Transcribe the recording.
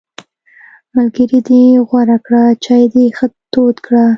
ملګری دې غوره کړه، چای دې ښه تود کړه!